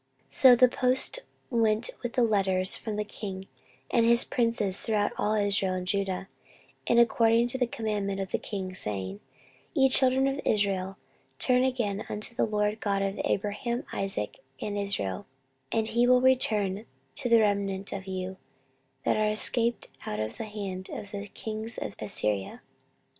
14:030:006 So the posts went with the letters from the king and his princes throughout all Israel and Judah, and according to the commandment of the king, saying, Ye children of Israel, turn again unto the LORD God of Abraham, Isaac, and Israel, and he will return to the remnant of you, that are escaped out of the hand of the kings of Assyria.